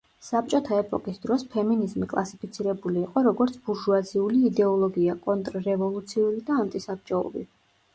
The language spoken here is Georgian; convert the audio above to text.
საბჭოთა ეპოქის დროს ფემინიზმი კლასიფიცირებული იყო, როგორც ბურჟუაზიული იდეოლოგია, კონტრრევოლუციური და ანტისაბჭოური.